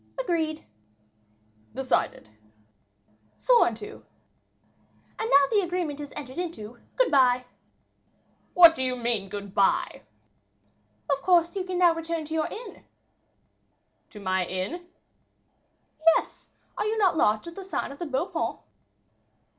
"Agreed." "Decided." "Sworn to. And now the agreement entered into, good bye." "What do you mean by 'good bye?'" "Of course you can now return to your inn." "To my inn?" "Yes; are you not lodging at the sign of the Beau Paon?"